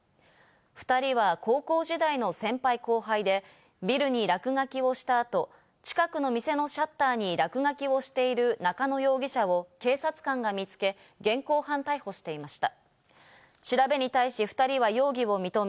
２人は高校時代の先輩後輩で、ビルに落書きをした後、近くの店のシャッターに落書きをしている中野容疑者を警察官が見つけ、現行犯逮捕していました。